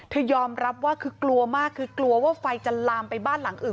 ยอมรับว่าคือกลัวมากคือกลัวว่าไฟจะลามไปบ้านหลังอื่น